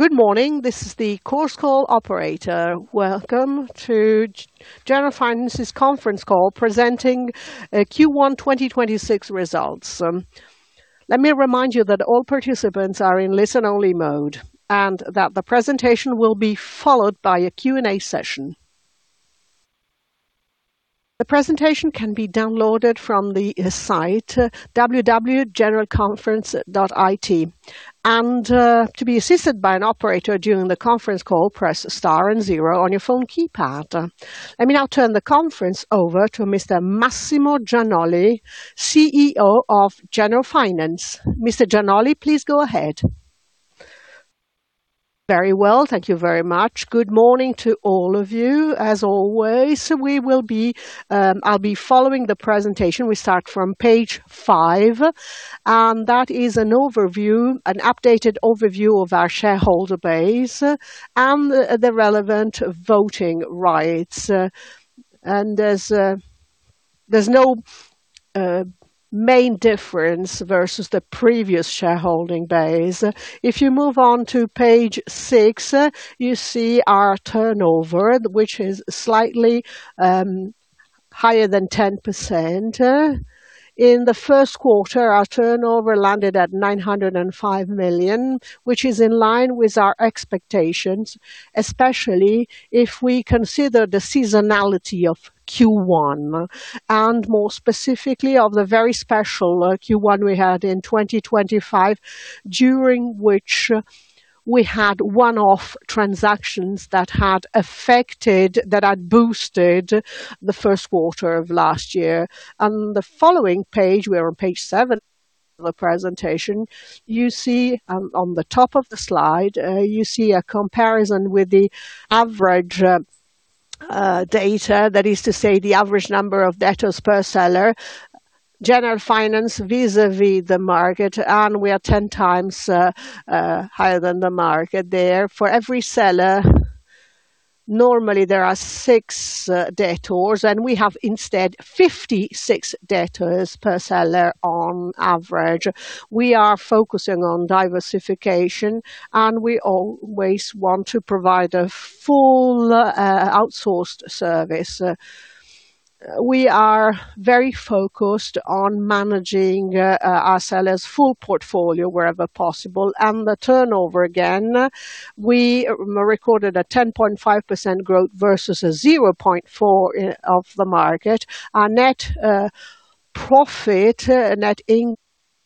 Good morning. This is the Chorus Call operator. Welcome to Generalfinance's conference call presenting Q1 2026 results. Let me remind you that all participants are in listen-only mode, that the presentation will be followed by a Q&A session. The presentation can be downloaded from the site, www.generalfinance.it. To be assisted by an operator during the conference call, press star and zero on your phone keypad. Let me now turn the conference over to Mr. Massimo Gianolli, CEO of Generalfinance. Mr. Gianolli, please go ahead. Very well. Thank you very much. Good morning to all of you. As always, I'll be following the presentation. We start from page five, that is an overview, an updated overview of our shareholder base and the relevant voting rights. There's no main difference versus the previous shareholding base. If you move on to page five, you see our turnover, which is slightly higher than 10%. In the first quarter, our turnover landed at 905 million, which is in line with our expectations, especially if we consider the seasonality of Q1, and more specifically of the very special Q1 we had in 2025, during which we had one-off transactions that had affected, that had boosted the first quarter of last year. On the following page, we are on page seven of the presentation, you see on the top of the slide, you see a comparison with the average data, that is to say, the average number of debtors per seller. Generalfinance vis-à-vis the market, we are 10 times higher than the market there. For every seller, normally there are six debtors, we have instead 56 debtors per seller on average. We are focusing on diversification, we always want to provide a full outsourced service. We are very focused on managing our sellers' full portfolio wherever possible. The turnover again, we recorded a 10.5% growth versus a 0.4% of the market. Our net profit, net inc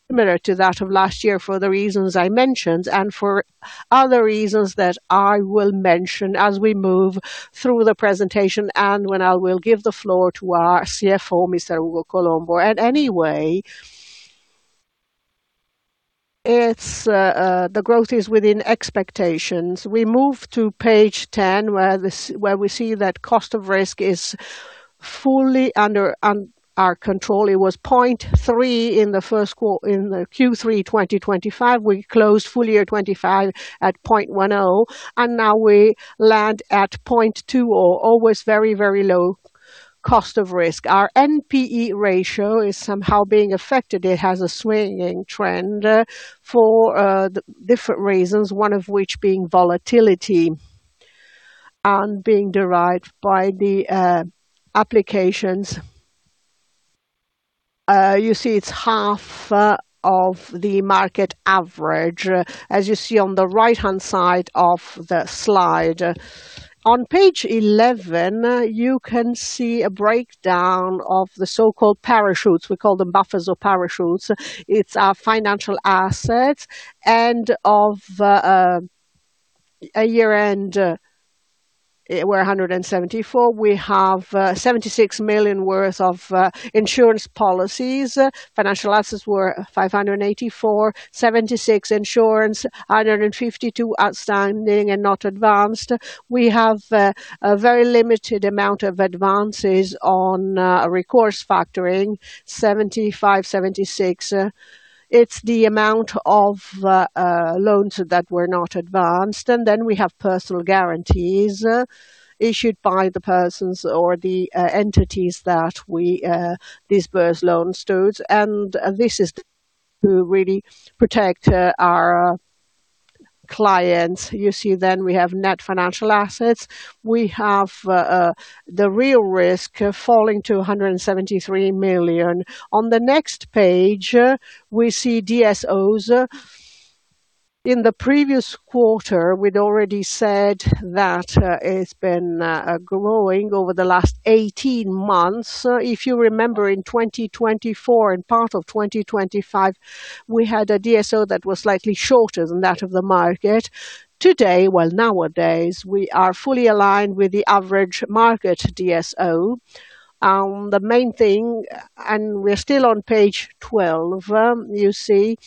similar to that of last year for the reasons I mentioned and for other reasons that I will mention as we move through the presentation and when I will give the floor to our CFO, Mr. Ugo Colombo. Anyway, it's the growth is within expectations. We move to page 10, where we see that cost of risk is fully under our control. It was 0.3% in the Q3 2025. We closed full year 2025 at 0.10%. Now we land at 0.20%. Always very low cost of risk. Our NPE ratio is somehow being affected. It has a swinging trend for different reasons, one of which being volatility and being derived by the applications. You see it's half of the market average, as you see on the right-hand side of the slide. On page 11, you can see a breakdown of the so-called parachutes. We call them buffers or parachutes. It's our financial assets. Of a year-end, we're 174. We have 76 million worth of insurance policies. Financial assets were 584.76 insurance, 152 outstanding and not advanced. We have a very limited amount of advances on recourse factoring, 75.76. It's the amount of loans that were not advanced. Then we have personal guarantees issued by the persons or the entities that we disburse loans to. This is to really protect our clients. You see then we have net financial assets. We have the real risk falling to 173 million. On the next page, we see DSOs. In the previous quarter, we'd already said that it's been growing over the last 18 months. If you remember, in 2024 and part of 2025, we had a DSO that was slightly shorter than that of the market. Today, well, nowadays, we are fully aligned with the average market DSO. The main thing, and we're still on page 12, you see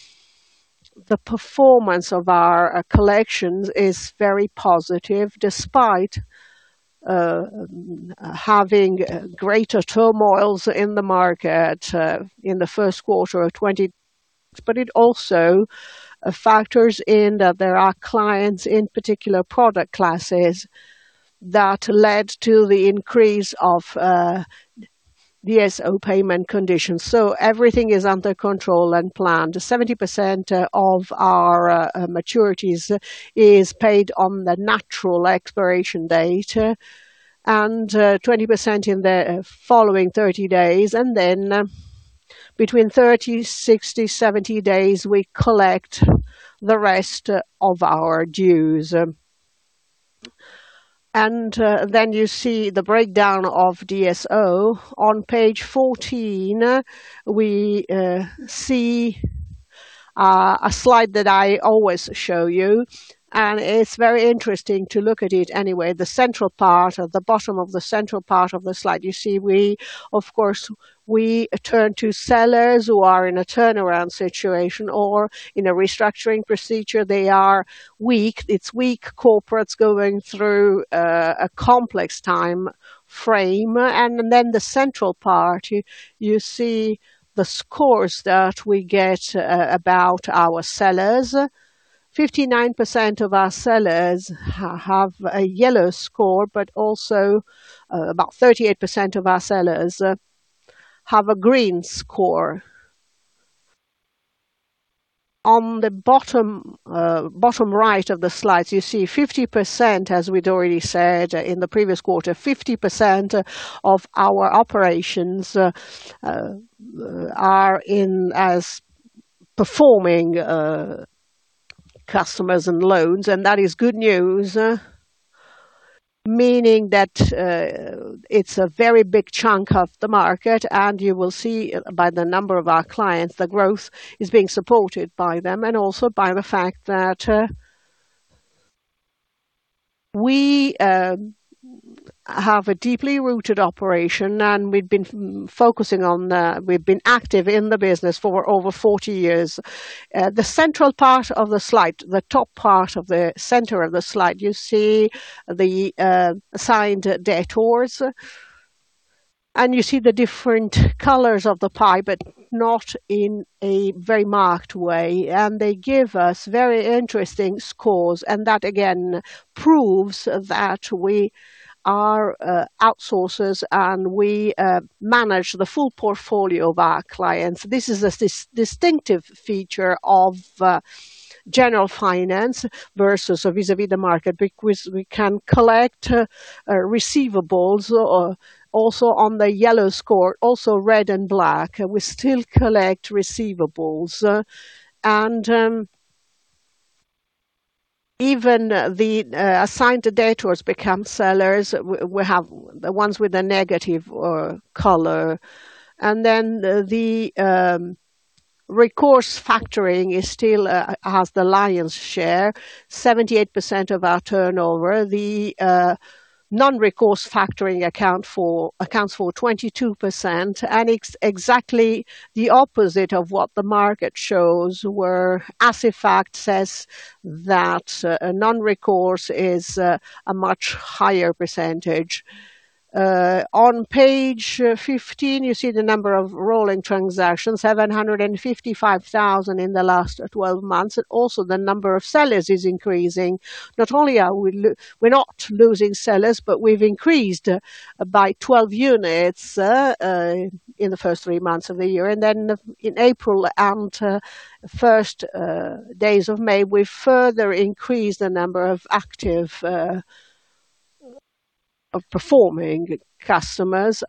the performance of our collections is very positive, despite having greater turmoils in the market in the first quarter of 2020. It also factors in that there are clients in particular product classes that led to the increase of DSO payment conditions. Everything is under control and planned. 70% of our maturities is paid on the natural expiration date, and 20% in the following 30 days. Between 30, 60, 70 days, we collect the rest of our dues. You see the breakdown of DSO. On page 14, we see a slide that I always show you, and it's very interesting to look at it anyway. The central part or the bottom of the central part of the slide, you see we, of course, we turn to sellers who are in a turnaround situation or in a restructuring procedure. They are weak. It's weak corporates going through a complex time frame. The central part, you see the scores that we get about our sellers. 59% of our sellers have a yellow score, but also about 38% of our sellers have a green score. On the bottom right of the slide, you see 50%, as we'd already said in the previous quarter, 50% of our operations are in as performing customers and loans, and that is good news. Meaning that, it's a very big chunk of the market, and you will see by the number of our clients, the growth is being supported by them and also by the fact that we have a deeply rooted operation, and we've been focusing on that. We've been active in the business for over 40 years. The central part of the slide, the top part of the center of the slide, you see the assigned debtors, and you see the different colors of the pie, but not in a very marked way. They give us very interesting scores, and that again proves that we are outsourcers, and we manage the full portfolio of our clients. This is a distinctive feature of Generalfinance versus or vis-à-vis the market, because we can collect receivables also on the yellow score, also red and black. We still collect receivables, and even the assigned debtors become sellers. We have the ones with a negative color. The recourse factoring is still has the lion's share, 78% of our turnover. The non-recourse factoring accounts for 22%, and it's exactly the opposite of what the market shows, where Assifact says that non-recourse is a much higher percentage. On page 15, you see the number of rolling transactions, 755,000 in the last 12 months. Also, the number of sellers is increasing. Not only are we we're not losing sellers, but we've increased by 12 units in the first three months of the year. In April and first days of May, we further increased the number of active of performing customers,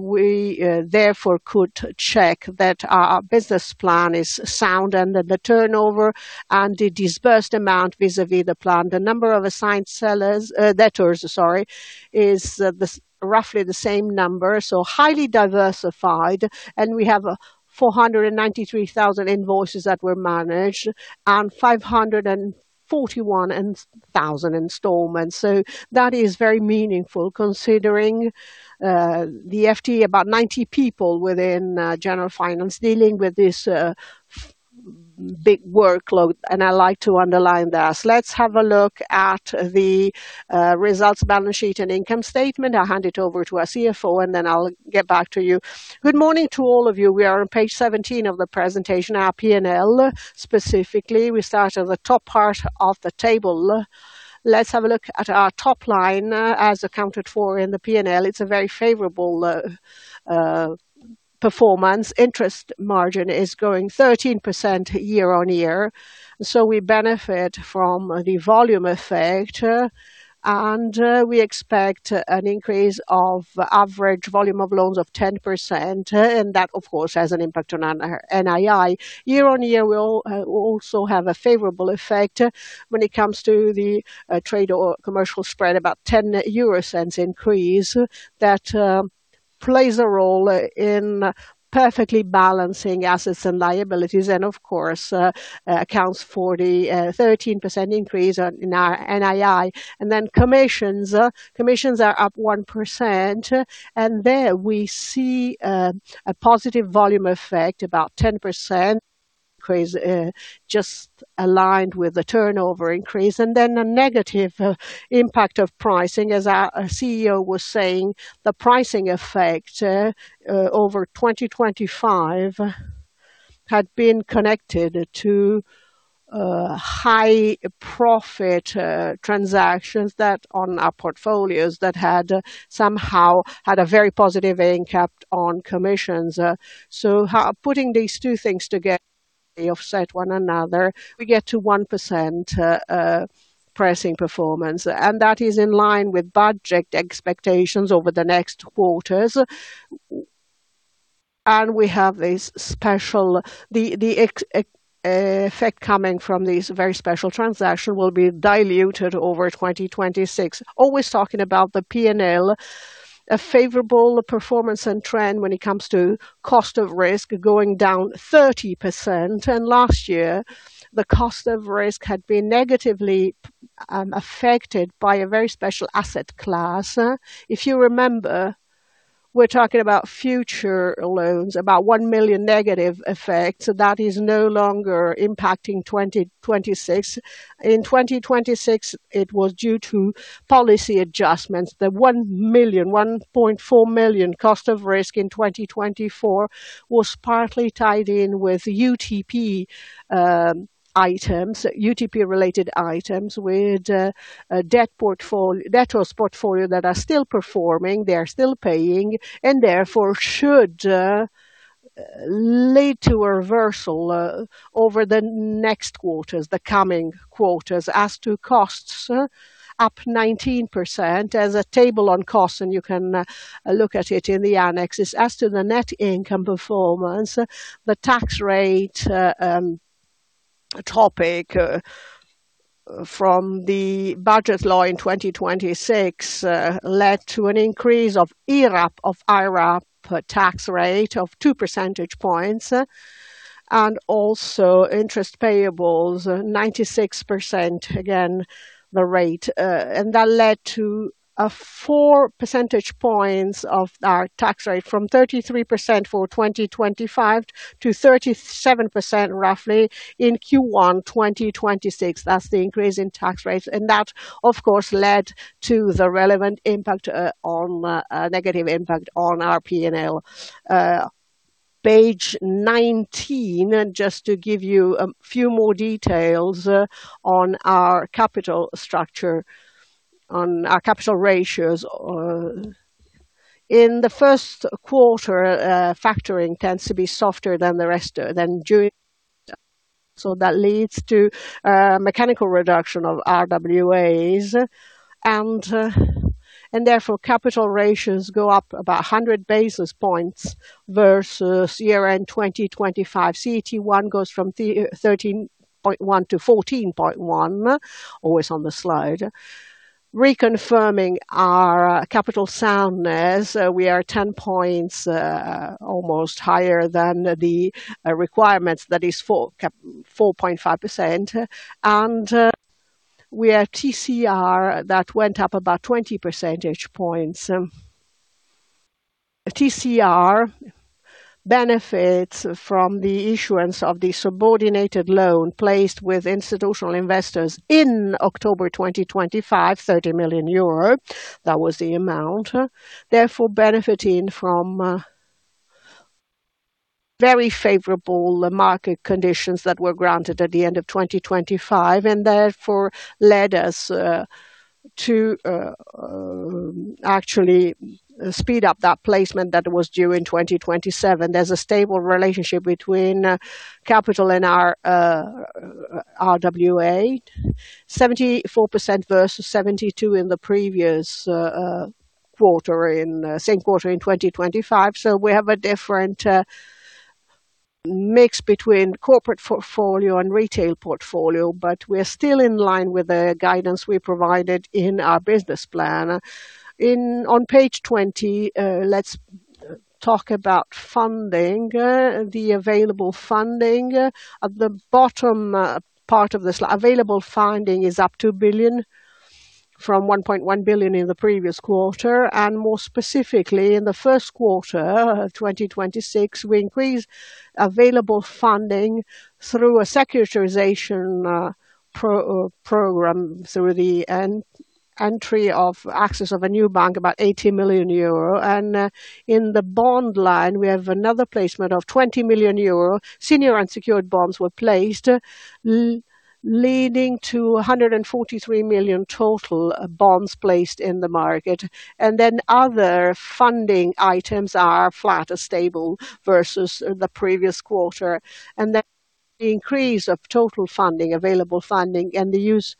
we therefore could check that our business plan is sound and that the turnover and the disbursed amount vis-à-vis the plan. The number of assigned sellers, debtors, sorry, is roughly the same number, so highly diversified. We have 493,000 invoices that were managed and 541,000 installments. That is very meaningful considering the FTE, about 90 people within Generalfinance dealing with this big workload, and I like to underline that. Let's have a look at the results balance sheet and income statement. I'll hand it over to our CFO, and then I'll get back to you. Good morning to all of you. We are on page 17 of the presentation, our P&L specifically. We start at the top part of the table. Let's have a look at our top line, as accounted for in the P&L. It's a very favorable performance. Interest margin is growing 13% year on year. We benefit from the volume effect, and we expect an increase of average volume of loans of 10%. That of course has an impact on our NII. Year on year will also have a favorable effect when it comes to the trade or commercial spread, about 0.10 increase that plays a role in perfectly balancing assets and liabilities and of course, accounts for the 13% increase in our NII. Commissions. Commissions are up 1%, and there we see a positive volume effect, about 10% increase, just aligned with the turnover increase. A negative impact of pricing. As our CEO was saying, the pricing effect over 2025 had been connected to high profit transactions that on our portfolios that had somehow had a very positive impact on commissions. So putting these two things together, they offset one another. We get to 1% pricing performance, and that is in line with budget expectations over the next quarters. We have this special effect coming from these very special transaction will be diluted over 2026. Always talking about the P&L, a favorable performance and trend when it comes to cost of risk going down 30%. Last year, the cost of risk had been negatively affected by a very special asset class. If you remember, we're talking about future loans, about 1 million negative effects. That is no longer impacting 2026. In 2026, it was due to policy adjustments. 1.4 million cost of risk in 2024 was partly tied in with UTP items, UTP-related items with a debtors portfolio that are still performing, they are still paying, and therefore should lead to a reversal over the next quarters, the coming quarters. As to costs, up 19%. There's a table on costs, you can look at it in the annexes. As to the net income performance, the tax rate topic from the Italian Budget Law in 2026 led to an increase of IRAP, of IRAP tax rate of 2 percentage points, also interest payables, 96%, again, the rate. That led to a 4 percentage points of our tax rate from 33% for 2025 to 37% roughly in Q1 2026. That's the increase in tax rates. That, of course, led to the relevant impact on negative impact on our P&L. Page 19, just to give you a few more details on our capital structure, on our capital ratios. In the first quarter, factoring tends to be softer than the rest. That leads to a mechanical reduction of RWAs and therefore, capital ratios go up about 100 basis points versus year-end 2025. CET1 goes from 13.1%-14.1%, always on the slide. Reconfirming our capital soundness, we are 10 points almost higher than the requirements, that is 4.5%. We have TCR that went up about 20 percentage points. TCR benefits from the issuance of the subordinated loan placed with institutional investors in October 2025, 30 million euro. That was the amount. Benefiting from very favorable market conditions that were granted at the end of 2025, and therefore led us to actually speed up that placement that was due in 2027. There's a stable relationship between capital and our RWA. 74% versus 72% in the previous quarter in same quarter in 2025. We have a different mix between corporate portfolio and retail portfolio, but we're still in line with the guidance we provided in our business plan. On page 20, let's talk about funding, the available funding. At the bottom part of the Available funding is up 2 billion from 1.1 billion in the previous quarter, and more specifically, in the first quarter 2026, we increased available funding through a securitization program, through the end entry of access of a new bank, about 80 million euro. In the bond line, we have another placement of 20 million euro. Senior unsecured bonds were placed, leading to 143 million total bonds placed in the market. Other funding items are flat or stable versus the previous quarter. The increase of total funding, available funding and the use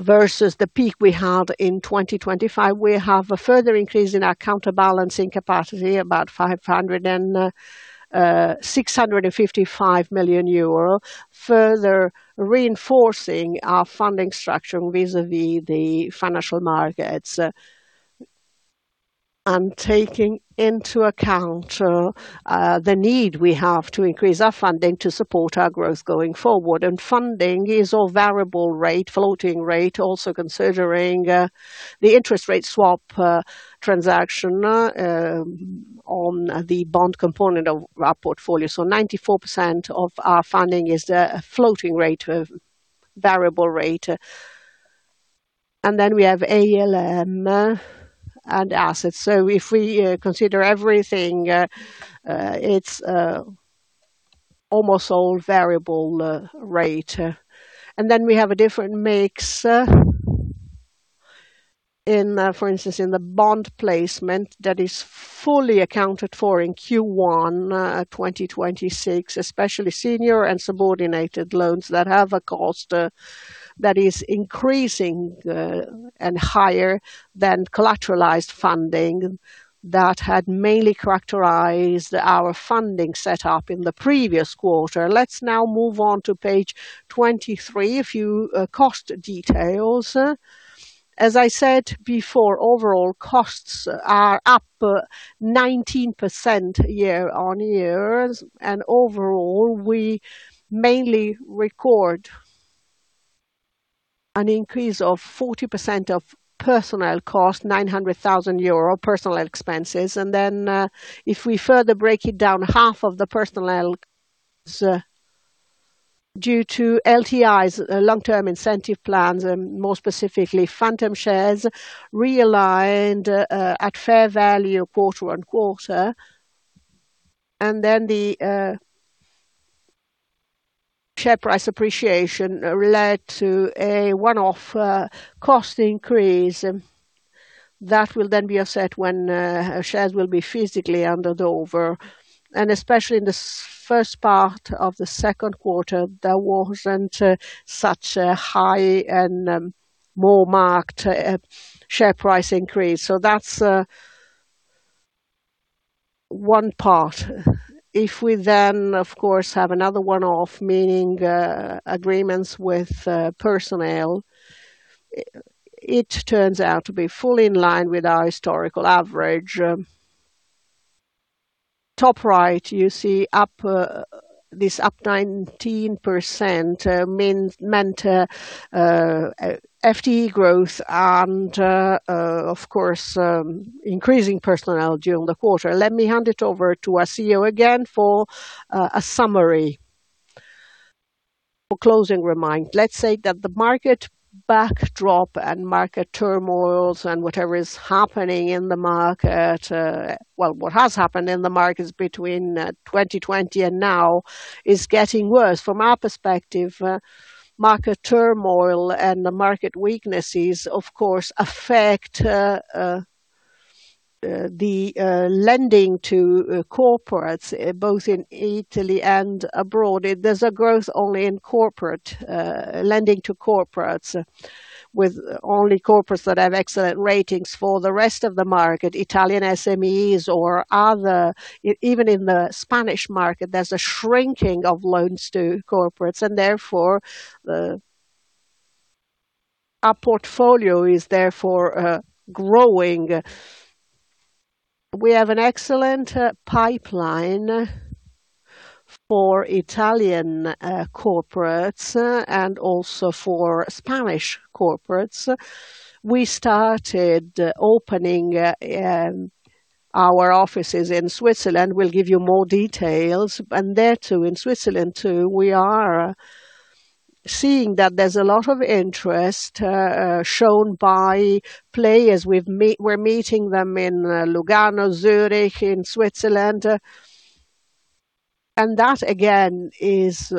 versus the peak we had in 2025. We have a further increase in our counterbalancing capacity, about 500 million euro and 655 million euro, further reinforcing our funding structure vis-à-vis the financial markets, and taking into account the need we have to increase our funding to support our growth going forward. Funding is all variable rate, floating rate, also considering the interest rate swap transaction on the bond component of our portfolio. 94% of our funding is the floating rate, variable rate. Then we have ALM, and assets. If we consider everything, it's almost all variable rate. We have a different mix, in, for instance, in the bond placement that is fully accounted for in Q1 2026, especially senior and subordinated loans that have a cost that is increasing and higher than collateralized funding that had mainly characterized our funding set up in the previous quarter. Let's now move on to page 23, a few cost details. As I said before, overall costs are up 19% year-on-year, and overall, we mainly record an increase of 40% of personnel cost, 900,000 euro personnel expenses. If we further break it down, half of the personnel is due to LTIs, long-term incentive plans, more specifically, phantom shares realigned at fair value quarter-on-quarter. The share price appreciation led to a one-off cost increase that will be offset when shares will be physically handed over. Especially in the first part of the second quarter, there wasn't such a high and more marked share price increase. That's one part. If we then, of course, have another one-off, meaning agreements with personnel, it turns out to be fully in line with our historical average. Top right, you see up, this up 19% meant FTE growth and, of course, increasing personnel during the quarter. Let me hand it over to our CEO again for a summary. For closing remind, let's say that the market backdrop and market turmoils and whatever is happening in the market, well, what has happened in the markets between 2020 and now is getting worse. From our perspective, market turmoil and the market weaknesses, of course, affect the lending to corporates both in Italy and abroad. There's a growth only in corporate lending to corporates with only corporates that have excellent ratings for the rest of the market, Italian SMEs or even in the Spanish market, there's a shrinking of loans to corporates and therefore, our portfolio is therefore growing. We have an excellent pipeline for Italian corporates and also for Spanish corporates. We started opening our offices in Switzerland. We'll give you more details. There too, in Switzerland too, we are seeing that there's a lot of interest shown by players. We're meeting them in Lugano, Zurich, in Switzerland. That again is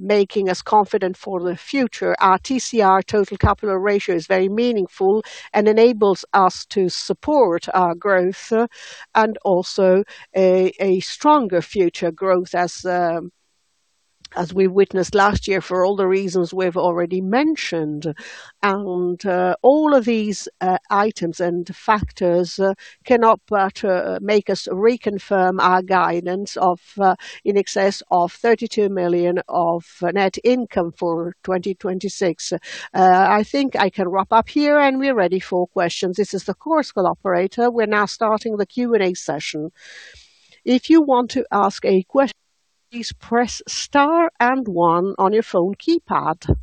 making us confident for the future. Our TCR, total capital ratio, is very meaningful and enables us to support our growth and also a stronger future growth as we witnessed last year for all the reasons we've already mentioned. All of these items and factors cannot but make us reconfirm our guidance of in excess of 32 million of net income for 2026. I think I can wrap up here, and we're ready for questions. This is the Chorus Call operator. We're now starting the Q&A session. If you want to ask a question, please press star and one on your phone keypad.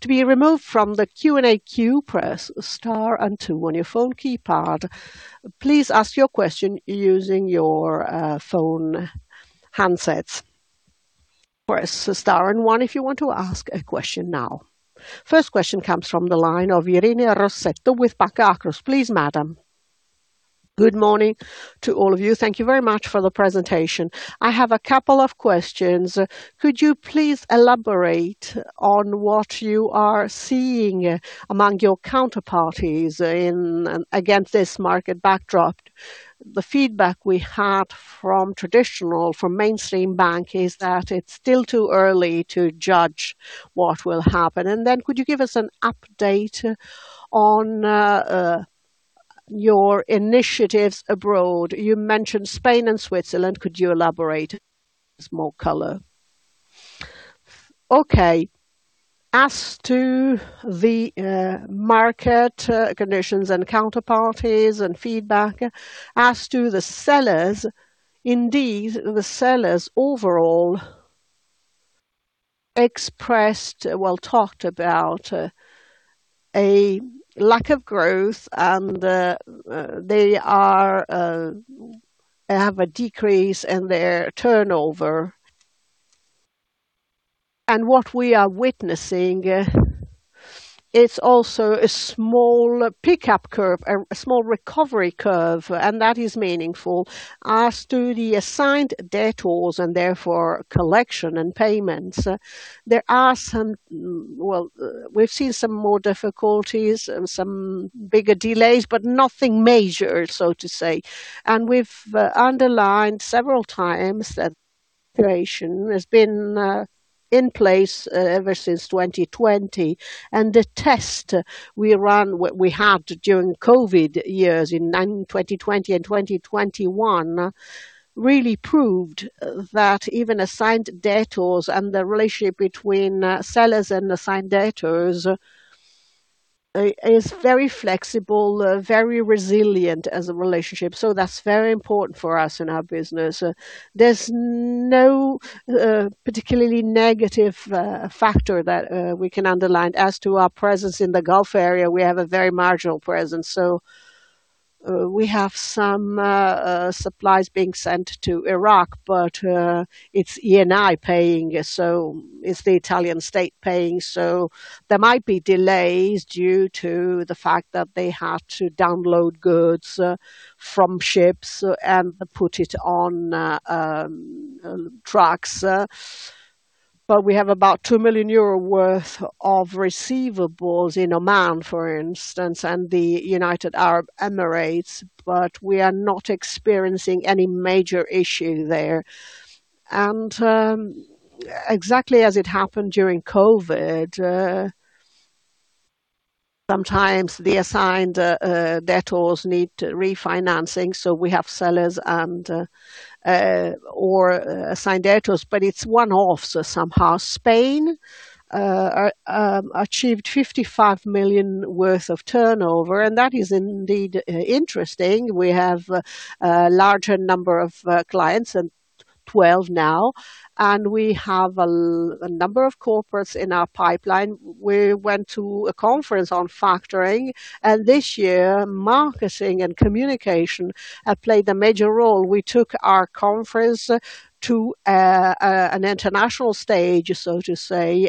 To be removed from the Q&A, press star and two on your phone keypad. Please ask your question using your phone handsets. Press star and one if you want to ask a question now. First question comes from the line of Irene Rossetto with Banca Akros. Please, madam. Good morning to all of you. Thank you very much for the presentation. I have a couple of questions. Could you please elaborate on what you are seeing among your counterparties against this market backdrop? The feedback we had from traditional, mainstream bank is that it's still too early to judge what will happen. Could you give us an update on your initiatives abroad? You mentioned Spain and Switzerland. Could you elaborate with more color? Okay. As to the market conditions and counterparties and feedback, as to the sellers, indeed, the sellers overall expressed, well, talked about a lack of growth, they have a decrease in their turnover. What we are witnessing, it's also a small pickup curve, a small recovery curve. That is meaningful. As to the assigned debtors and therefore collection and payments, there are some. Well, we've seen some more difficulties and some bigger delays. Nothing major, so to say. We've underlined several times that creation has been in place ever since 2020. The test we had during COVID years in 2020 and 2021 really proved that even assigned debtors and the relationship between sellers and assigned debtors is very flexible, very resilient as a relationship. That's very important for us in our business. There's no particularly negative factor that we can underline. As to our presence in the Gulf area, we have a very marginal presence, so we have some supplies being sent to Iraq, but it's Eni paying, so it's the Italian state paying. There might be delays due to the fact that they have to download goods from ships and put it on trucks. We have about 2 million euro worth of receivables in Oman, for instance, and the United Arab Emirates, but we are not experiencing any major issue there. Exactly as it happened during COVID, sometimes the assigned debtors need refinancing, so we have sellers and or assigned debtors, but it's one-off somehow. Spain achieved 55 million worth of turnover, that is indeed interesting. We have a larger number of clients and 12 now, we have a number of corporates in our pipeline. We went to a conference on factoring, this year, marketing and communication have played a major role. We took our conference to an international stage, so to say,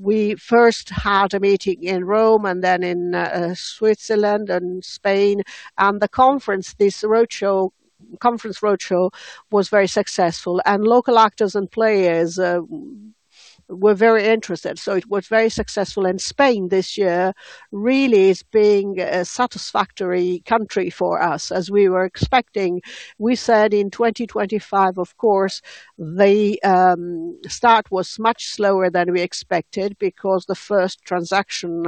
We first had a meeting in Rome and then in Switzerland and Spain. The conference, this roadshow, conference roadshow was very successful, local actors and players were very interested, it was very successful. Spain this year really is being a satisfactory country for us, as we were expecting. We said in 2025, of course, the start was much slower than we expected because the first transaction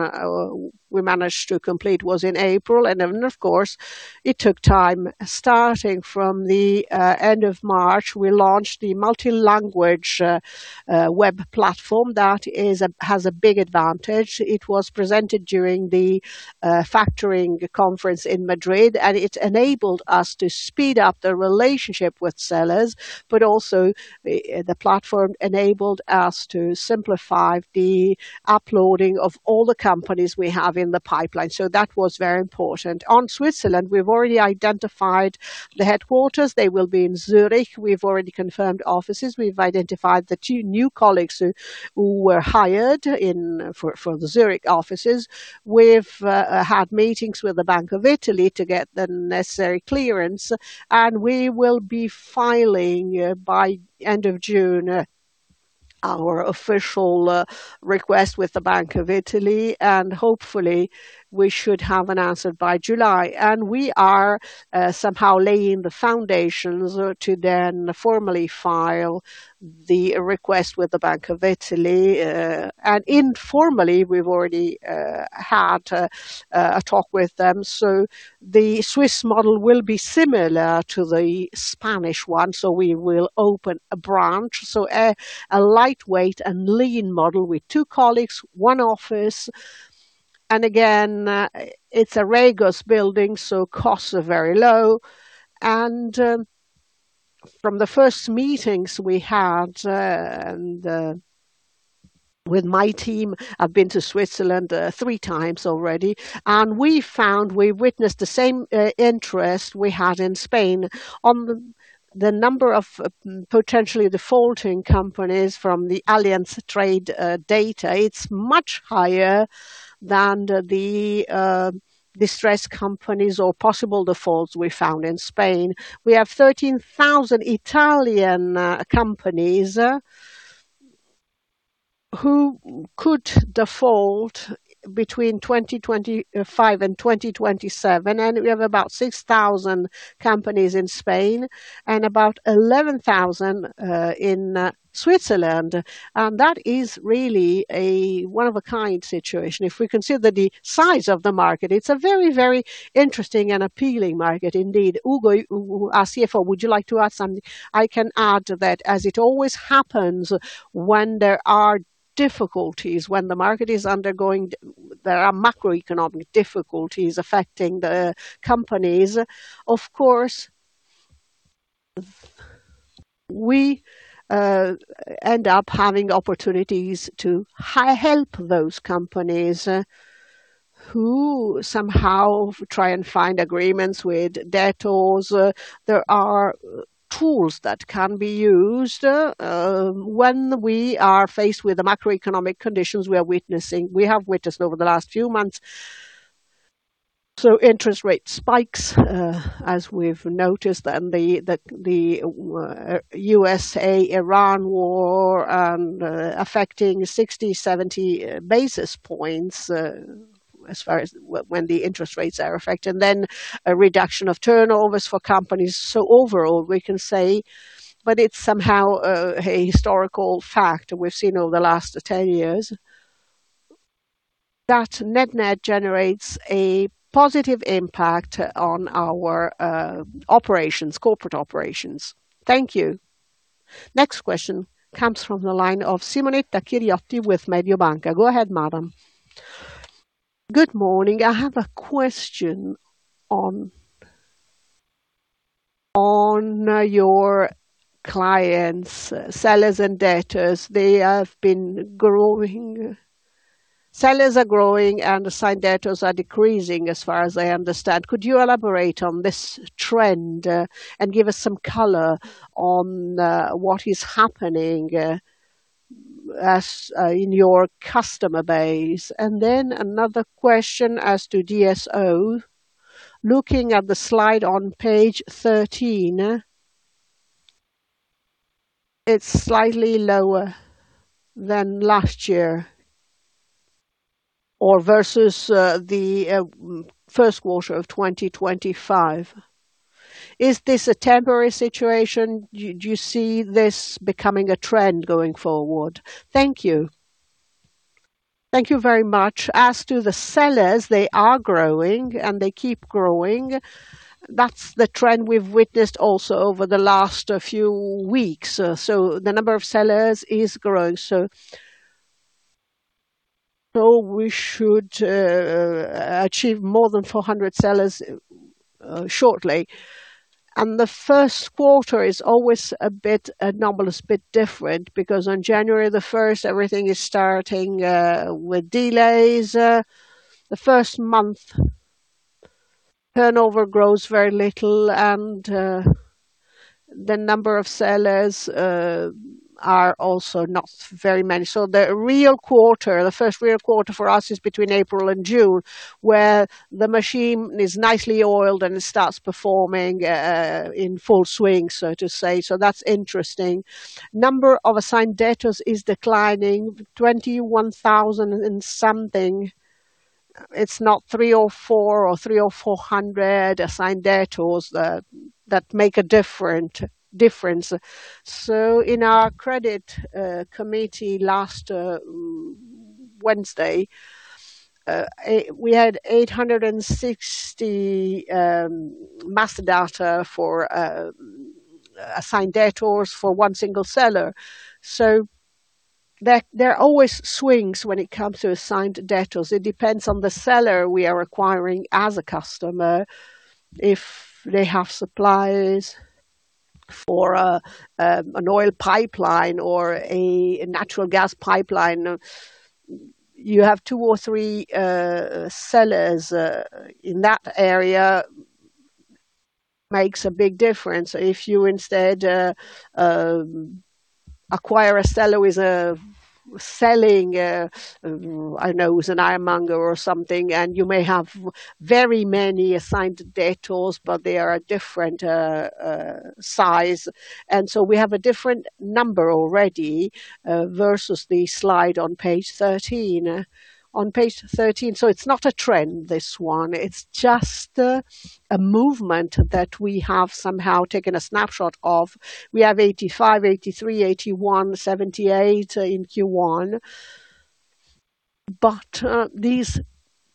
we managed to complete was in April. Of course, it took time. Starting from the end of March, we launched the multi-language web platform that has a big advantage. It was presented during the factoring conference in Madrid, and it enabled us to speed up the relationship with sellers, but also the platform enabled us to simplify the uploading of all the companies we have in the pipeline. That was very important. On Switzerland, we've already identified the headquarters. They will be in Zurich. We've already confirmed offices. We've identified the two new colleagues who were hired for the Zurich offices. We've had meetings with the Bank of Italy to get the necessary clearance, and we will be filing by end of June our official request with the Bank of Italy, and hopefully, we should have an answer by July. We are somehow laying the foundations to then formally file the request with the Bank of Italy. Informally, we've already had a talk with them. The Swiss model will be similar to the Spanish one, so we will open a branch. A lightweight and lean model with two colleagues, one office, and again, it's a Regus building, so costs are very low. From the first meetings we had, and with my team, I've been to Switzerland three times already, and we witnessed the same interest we had in Spain. On the number of potentially defaulting companies from the Allianz Trade data, it's much higher than the distressed companies or possible defaults we found in Spain. We have 13,000 Italian companies who could default between 2025 and 2027, and we have about 6,000 companies in Spain and about 11,000 in Switzerland. That is really a one-of-a-kind situation. If we consider the size of the market, it's a very, very interesting and appealing market indeed. Ugo, our CFO, would you like to add something? I can add that as it always happens when there are difficulties, when the market is undergoing there are macroeconomic difficulties affecting the companies, of course. We end up having opportunities to help those companies who somehow try and find agreements with debtors. There are tools that can be used when we have witnessed over the last few months. Interest rate spikes, as we've noticed, and the USA-Iran war affecting 60, 70 basis points, as far as when the interest rates are affected, and then a reduction of turnovers for companies. Overall, we can say, but it's somehow a historical fact we've seen over the last 10 years that net net generates a positive impact on our operations, corporate operations. Thank you. Next question comes from the line of Simonetta Chiriotti with Mediobanca. Go ahead, madam. Good morning. I have a question on your clients, sellers, and debtors. They have been growing. Sellers are growing, and assigned debtors are decreasing, as far as I understand. Could you elaborate on this trend and give us some color on what is happening in your customer base? Another question as to DSO. Looking at the slide on page 13, it's slightly lower than last year or versus the first quarter of 2025. Is this a temporary situation? Do you see this becoming a trend going forward? Thank you. Thank you very much. As to the sellers, they are growing, and they keep growing. That's the trend we've witnessed also over the last few weeks. The number of sellers is growing. We should achieve more than 400 sellers shortly. The first quarter is always a bit anomalous, a bit different, because on January 1st, everything is starting with delays. The first month, turnover grows very little, the number of sellers are also not very many. The real quarter, the first real quarter for us is between April and June, where the machine is nicely oiled, and it starts performing in full swing, so to say. That's interesting. Number of assigned debtors is declining, 21,000 and something. It's not 300 or 400 assigned debtors that make a difference. In our credit committee last Wednesday, we had 860 master data for assigned debtors for one single seller. There, there are always swings when it comes to assigned debtors. It depends on the seller we are acquiring as a customer. If they have supplies for an oil pipeline or a natural gas pipeline, you have two or three sellers in that area. Makes a big difference. If you instead acquire a seller who is selling, I don't know, who's an ironmonger or something, and you may have very many assigned debtors, but they are a different size. We have a different number already versus the slide on page 13. On page 13. It's not a trend, this one. It's just a movement that we have somehow taken a snapshot of. We have 85, 83, 81, 78 in Q1. These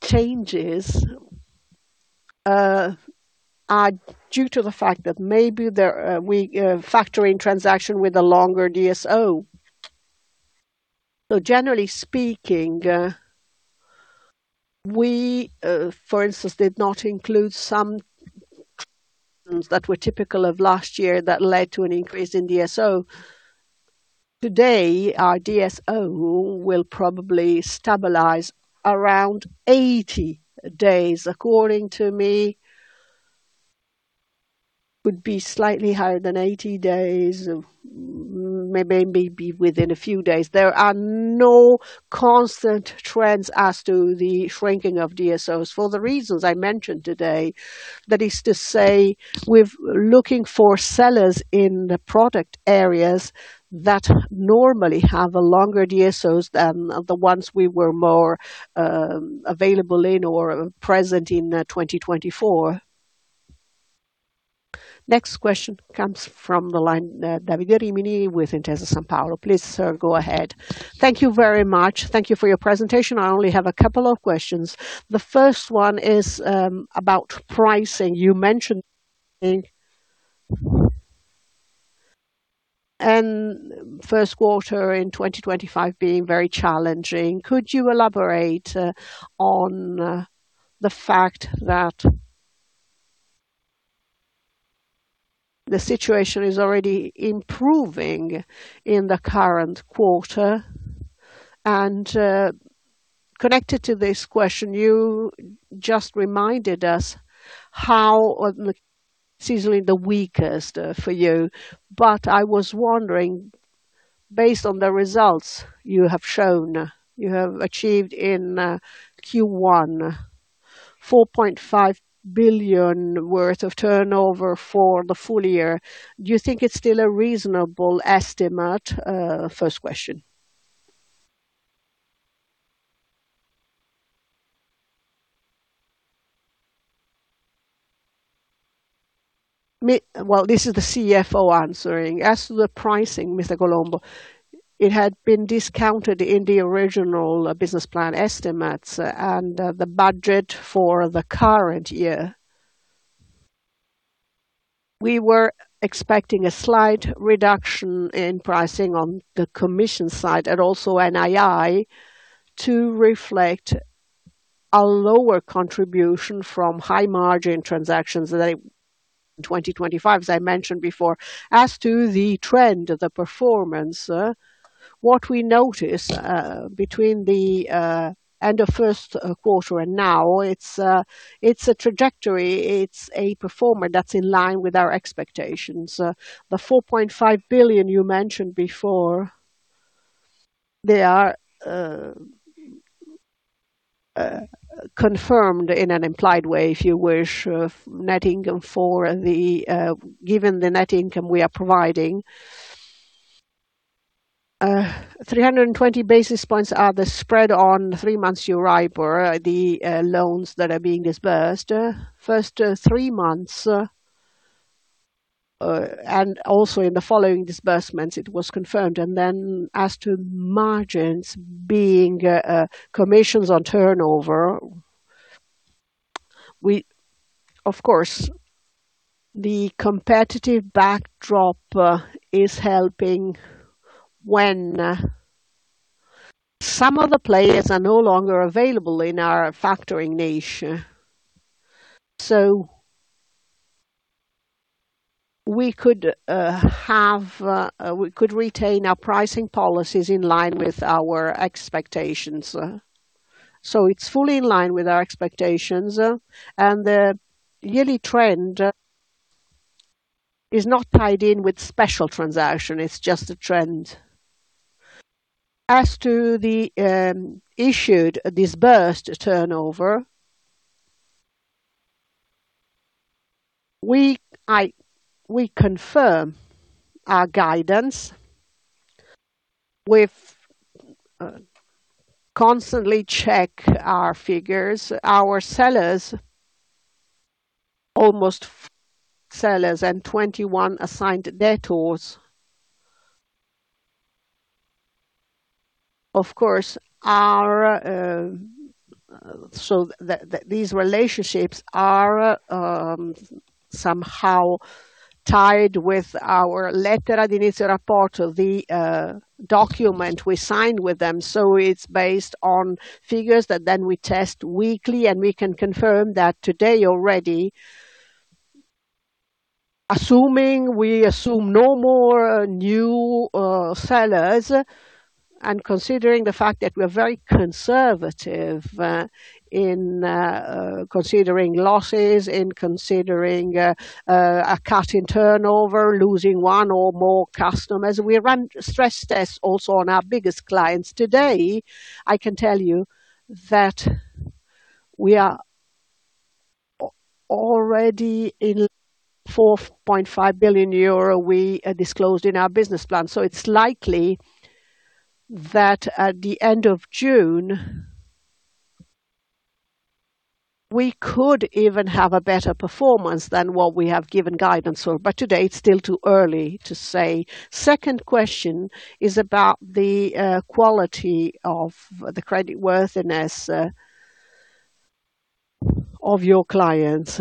changes are due to the fact that maybe there we factor in transaction with a longer DSO. Generally speaking, we, for instance, did not include some items that were typical of last year that led to an increase in DSO. Today, our DSO will probably stabilize around 80 days, according to me. Could be slightly higher than 80 days. Maybe within a few days. There are no constant trends as to the shrinking of DSOs for the reasons I mentioned today. That is to say, we're looking for sellers in the product areas that normally have a longer DSOs than the ones we were more available in or present in 2024. Next question comes from the line, Davide Rimini with Intesa Sanpaolo. Please, sir, go ahead. Thank you very much. Thank you for your presentation. I only have a couple of questions. The first one is about pricing. You mentioned pricing and first quarter in 2025 being very challenging. Could you elaborate on the fact that the situation is already improving in the current quarter. Connected to this question, you just reminded us how seasonally weakest for you. I was wondering, based on the results you have shown, you have achieved in Q1 4.5 billion worth of turnover for the full year. Do you think it's still a reasonable estimate? First question. Well, this is the CFO answering. As to the pricing, Mr. Colombo, it had been discounted in the original business plan estimates and the budget for the current year. We were expecting a slight reduction in pricing on the commission side and also NII to reflect a lower contribution from high margin transactions that in 2025, as I mentioned before. As to the trend of the performance, what we notice between the end of first quarter and now, it's a trajectory, it's a performance that's in line with our expectations. The 4.5 billion you mentioned before, they are confirmed in an implied way, if you wish, net income for the given the net income we are providing. 320 basis points are the spread on three months Euribor, the loans that are being disbursed. First three months and also in the following disbursements, it was confirmed. As to margins being commissions on turnover, we Of course, the competitive backdrop is helping when some of the players are no longer available in our factoring niche. We could retain our pricing policies in line with our expectations. It's fully in line with our expectations, and the yearly trend is not tied in with special transaction. It's just a trend. As to the issued disbursed turnover, we confirm our guidance. We constantly check our figures. Our sellers, almost sellers, and 21 assigned debtors. Of course, these relationships are somehow tied with our lettera di inizio rapporto, the document we signed with them. It's based on figures that then we test weekly, and we can confirm that today already, assuming no more new sellers, and considering the fact that we're very conservative in considering losses, in considering a cut in turnover, losing one or more customers. We run stress tests also on our biggest clients. Today, I can tell you that we are already in 4.5 billion euro we disclosed in our business plan. It's likely that at the end of June, we could even have a better performance than what we have given guidance for. Today, it's still too early to say. Second question is about the quality of the creditworthiness of your clients.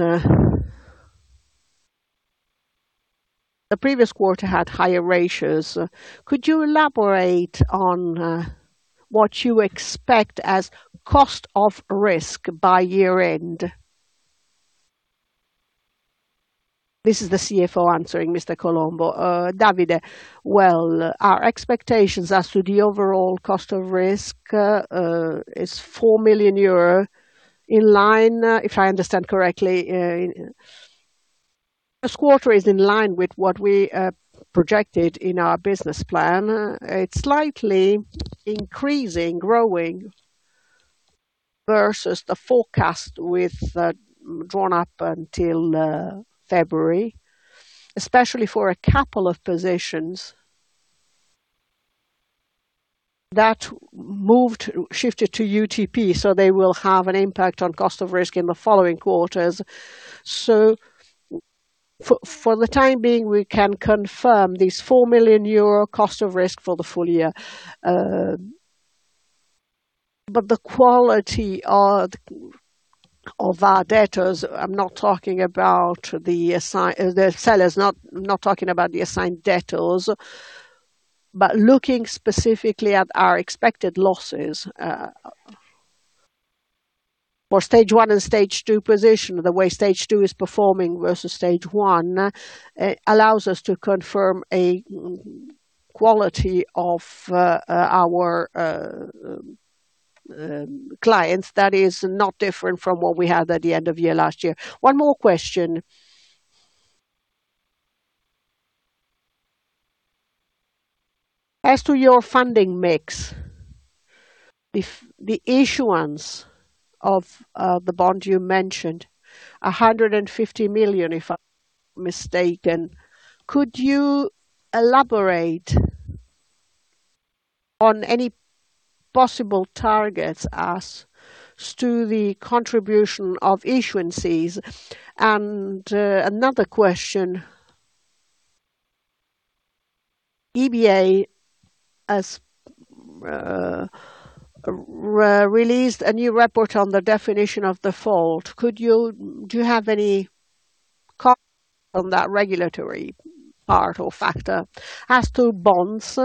The previous quarter had higher ratios. Could you elaborate on what you expect as cost of risk by year end? This is the CFO answering Mr. Colombo. Davide, well, our expectations as to the overall cost of risk is 4 million euro in line, if I understand correctly, first quarter is in line with what we projected in our business plan. It's slightly increasing, growing versus the forecast with drawn up until February, especially for a couple of positions that moved, shifted to UTP, so they will have an impact on cost of risk in the following quarters. For the time being, we can confirm this 4 million euro cost of risk for the full year. The quality of our debtors, I'm not talking about the sellers, not talking about the assigned debtors. Looking specifically at our expected losses for stage 1 and stage 2 position, the way stage 2 is performing versus stage 1 allows us to confirm a quality of our clients that is not different from what we had at the end of year last year. One more question. As to your funding mix, the issuance of the bond you mentioned, 150 million, if I'm not mistaken. Could you elaborate on any possible targets as to the contribution of issuances? Another question. EBA has re-released a new report on the Definition of Default. Do you have any comment on that regulatory part or factor? As to bonds,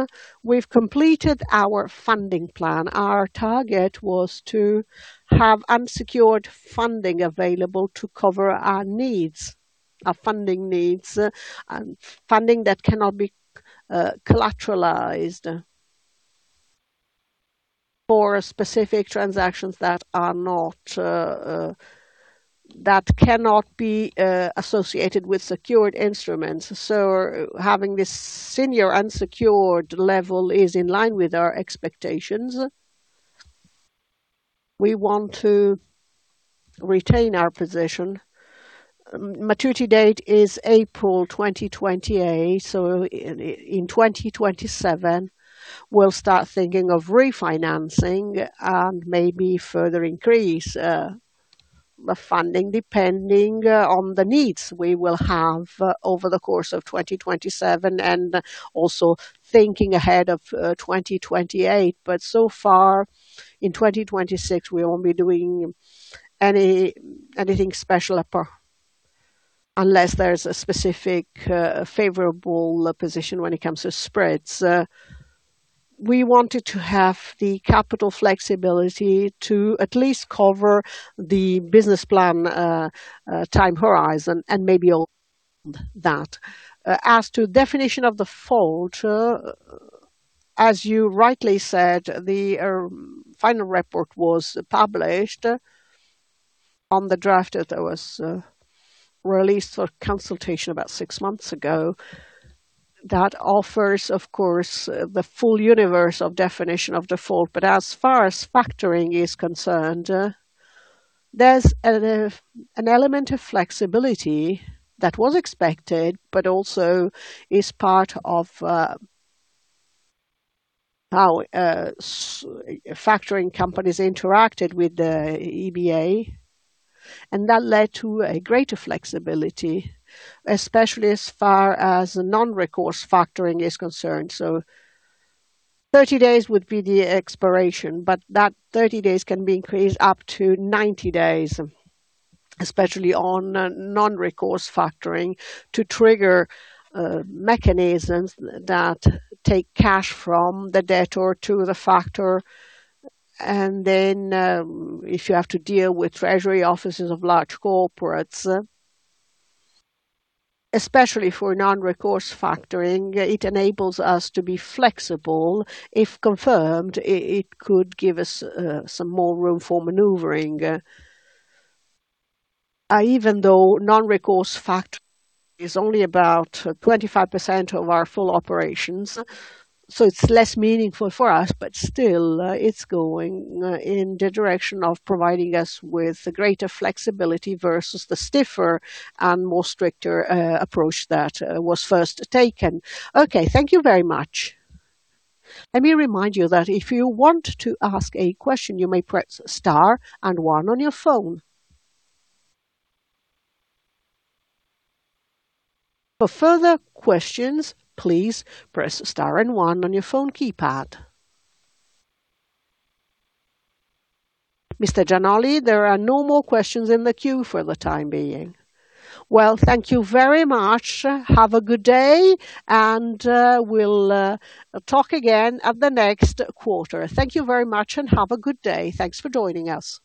we've completed our funding plan. Our target was to have unsecured funding available to cover our needs, our funding needs, and funding that cannot be collateralized. For specific transactions that are not that cannot be associated with secured instruments. Having this senior unsecured level is in line with our expectations. We want to retain our position. Maturity date is April 2028, in 2027, we'll start thinking of refinancing and maybe further increase the funding depending on the needs we will have over the course of 2027 and also thinking ahead of 2028. So far, in 2026, we won't be doing anything special unless there's a specific favorable position when it comes to spreads. We wanted to have the capital flexibility to at least cover the business plan time horizon and maybe beyond that. As to definition of default, as you rightly said, the final report was published on the draft that was released for consultation about six months ago. That offers, of course, the full universe of definition of default. As far as factoring is concerned, there's an element of flexibility that was expected, but also is part of how factoring companies interacted with the EBA, and that led to a greater flexibility, especially as far as non-recourse factoring is concerned. 30 days would be the expiration, but that 30 days can be increased up to 90 days, especially on non-recourse factoring, to trigger mechanisms that take cash from the debtor to the factor. If you have to deal with treasury offices of large corporates, especially for non-recourse factoring, it enables us to be flexible. If confirmed, it could give us some more room for maneuvering. Even though non-recourse factoring is only about 25% of our full operations, so it's less meaningful for us, still, it's going in the direction of providing us with greater flexibility versus the stiffer and more stricter approach that was first taken. Okay, thank you very much. Let me remind you that if you want to ask a question, you may press star and one on your phone. For further questions, please press star and one on your phone keypad. Mr. Gianolli, there are no more questions in the queue for the time being. Well, thank you very much. Have a good day, and we'll talk again at the next quarter. Thank you very much and have a good day. Thanks for joining us.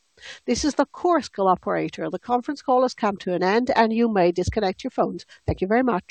This is the Chorus Call operator. The conference call has come to an end, and you may disconnect your phones. Thank you very much.